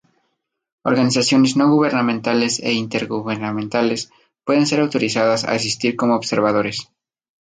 Organizaciones No Gubernamentales e intergubernamentales pueden ser autorizadas a asistir como observadores.